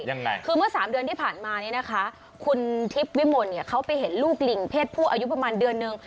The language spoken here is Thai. ยังไงคือเมื่อสามเดือนที่ผ่านมาเนี่ยนะคะคุณทิพย์วิมลเนี่ยเขาไปเห็นลูกลิงเพศผู้อายุประมาณเดือนนึง